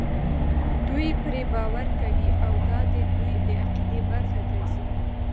دوی پرې باور کوي او دا د دوی د عقیدې برخه ګرځي.